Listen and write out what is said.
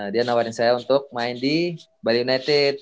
dia nawarin saya untuk main di bali united